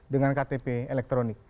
dengan ktp elektronik